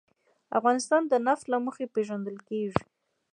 افغانستان د نفت له مخې پېژندل کېږي.